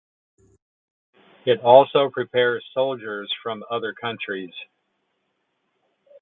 It also prepares soldiers from other countries.